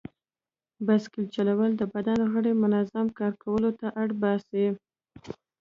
بایسکل چلول د بدن غړي منظم کار کولو ته اړ باسي.